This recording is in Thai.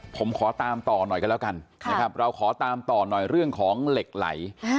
ผมขอตามต่อหน่อยกันแล้วกันนะครับเราขอตามต่อหน่อยเรื่องของเหล็กไหล